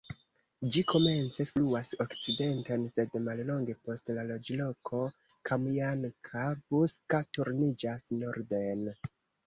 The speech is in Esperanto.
Ĝi komence fluas okcidenten, sed mallonge post la loĝloko Kamjanka-Buska turniĝas norden.